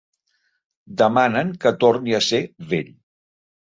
Demanen que torni a ser vell.